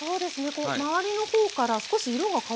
こう周りの方から少し色が変わってきましたね。